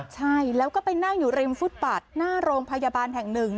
ใช่แล้วก็ไปนั่งอยู่ริมฟุตปัดหน้าโรงพยาบาลแห่งหนึ่ง